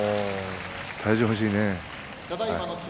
体重欲しいね。